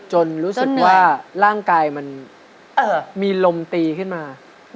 รู้สึกว่าร่างกายมันมีลมตีขึ้นมา